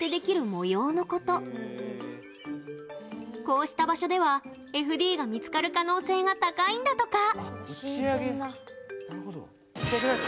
こうした場所ではＦＤが見つかる可能性が高いんだとか。